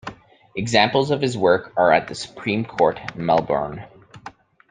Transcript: Examples of his work are at the Supreme Court, Melbourne.